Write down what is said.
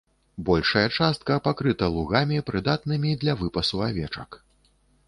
Большая частка пакрыта лугамі, прыдатнымі для выпасу авечак.